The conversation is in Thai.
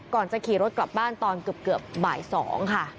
ก่อนจะขี่รถกลับบ้านตอนเกือบบ่าย๒ค่ะ